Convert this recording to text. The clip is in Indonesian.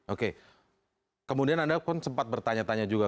oke kemudian anda pun sempat bertanya tanya juga